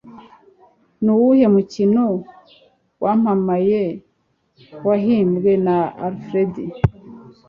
Nuwuhe mukino wamamaye wahimbwe na Alfred